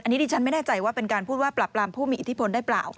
อันนี้ดิฉันไม่แน่ใจว่าเป็นการพูดว่าปรับรามผู้มีอิทธิพลได้เปล่า